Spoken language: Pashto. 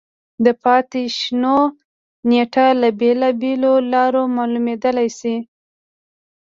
د پاتې شونو نېټه له بېلابېلو لارو معلومېدای شي.